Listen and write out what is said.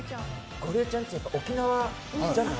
ゴリエちゃんちは沖縄じゃない。